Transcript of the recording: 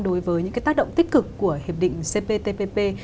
đối với những cái tác động tích cực của hiệp định cptpp